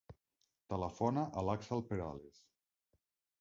Telefona a l'Àxel Perales.